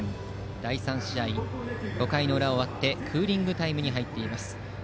第３試合、５回の裏が終わってクーリングタイムに入っています。